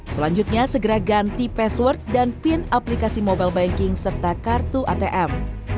selanjutnya segera ganti password dan pin aplikasi mobile banking serta kartu atm